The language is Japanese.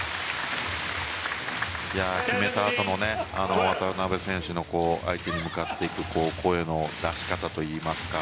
決めたあとの渡辺選手の相手に向かっていく声の出し方といいますか。